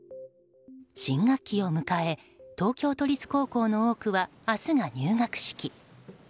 新学期を迎え東京都立高校の多くは明日が入学式。